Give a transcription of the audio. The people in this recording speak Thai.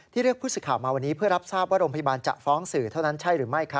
เรียกผู้สิทธิ์ข่าวมาวันนี้เพื่อรับทราบว่าโรงพยาบาลจะฟ้องสื่อเท่านั้นใช่หรือไม่